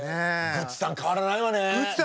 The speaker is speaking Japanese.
グッチさん全く変わらないの。